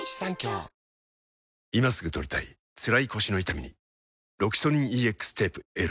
今すぐ取りたいつらい腰の痛みに大判サイズでロキソニン ＥＸ テープ Ｌ